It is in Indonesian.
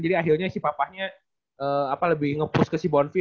jadi akhirnya si papahnya apa lebih nge push ke si bonvi